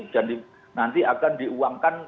dan nanti akan diuangkan